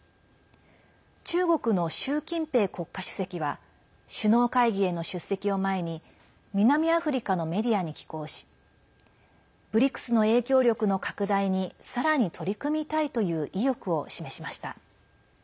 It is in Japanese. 中国の習近平国家主席は首脳会議への出席を前に南アフリカのメディアに寄稿しＢＲＩＣＳの影響力の拡大にさらに取り組みたいという意欲を示しました。